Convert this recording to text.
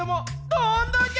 どんだけ！